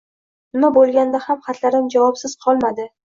Nima bo’lganda ham xatlarim javobsiz qolmadi.